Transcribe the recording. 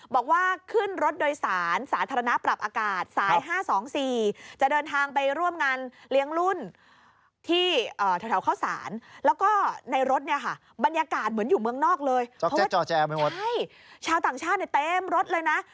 บอกว่าขึ้นรถโดยสารสาธารณาปรับอากาศ